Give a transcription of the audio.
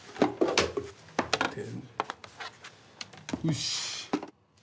よし！